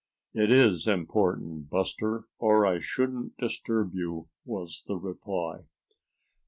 "It is important, Buster, or I shouldn't disturb you," was the reply.